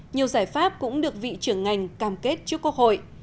nhiều giải pháp cũng được vị trưởng ngành cam kết trước quốc hội